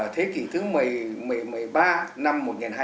thế kỷ thứ một mươi ba năm một nghìn hai trăm linh